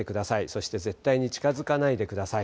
そして絶対に近づかないでください。